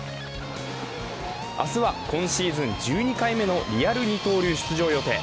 明日は今シーズン１２回目のリアル二刀流出場予定。